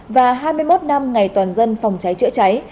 và hai mươi một năm ngày toàn dân phòng cháy chữa cháy